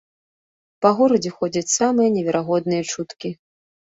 Па горадзе ходзяць самыя неверагодныя чуткі.